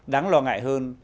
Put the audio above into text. đáng lo ngại hơn